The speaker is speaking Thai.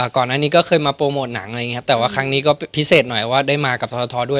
ก่อนนั้นก็เคยมาโปรโมทหนังแต่ว่าครั้งนี้ก็พิเศษหน่อยว่าได้มากับท้อด้วย